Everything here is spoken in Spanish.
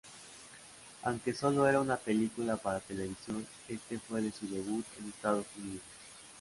Aunque solo era una película para televisión, este fue su debut en Estados Unidos.